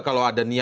kalau ada niatnya